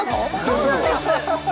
そうなんです